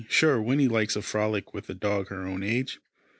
"Sure Winnie likes a frolic with a dog her own age."